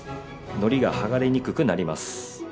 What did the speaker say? のりがはがれにくくなります。